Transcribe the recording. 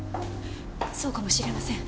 そうかもしれません。